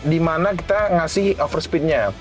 di mana kita ngasih over speednya